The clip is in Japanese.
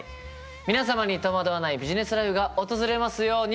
皆様に戸惑わないビジネスライフが訪れますように。